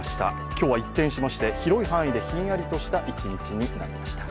今日は一転しまして、広い範囲でひんやりとした一日になりました。